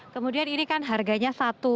kemudian ini kan harganya satu